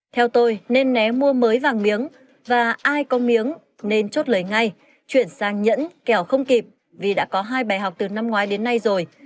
theo tôi nên né mua mới vàng miếng và ai có miếng nên chốt lấy ngay chuyển sang nhẫn kéo không kịp vì đã có hai bài học từ năm ngoái đến nay rồi